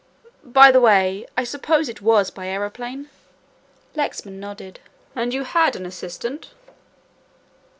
By the way, I suppose it was by aeroplane?" Lexman nodded. "And you had an assistant?"